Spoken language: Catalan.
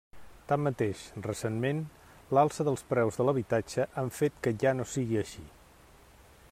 Tanmateix, recentment, l'alça dels preus de l'habitatge han fet que ja no sigui així.